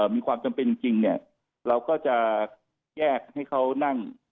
มีความจำเป็นจริงเนี่ยเราก็จะแยกให้เขานั่ง